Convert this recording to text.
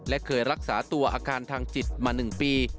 และเคยรักษาตัวอาการทางจิตมา๑ปี